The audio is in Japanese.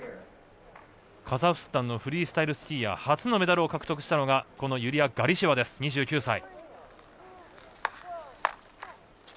カザフスタンのフリースタイルスキーヤー初のメダルを獲得したのがこのユリヤ・ガリシェワ、２９歳。